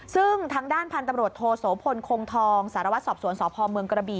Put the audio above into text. ซึ่งทางด้านพันธุ์ตำรวจโทโสพลคงทองสารวัตรสอบสวนสพเมืองกระบี่